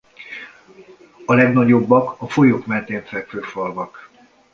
A legnagyobbak a folyók mentén fekvő falvak.